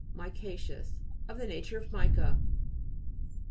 MICA'CEOUS Of the nature of mica.